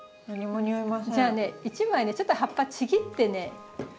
じゃあね１枚ちょっと葉っぱちぎってね。